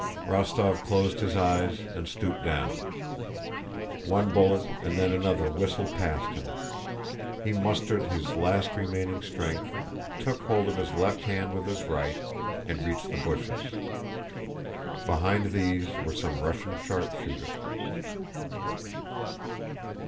Rostóv closed his eyes and stooped down. One bullet and then another whistled past him. He mustered his last remaining strength, took hold of his left hand with his right, and reached the bushes. Behind these were some Russian sharpshooters.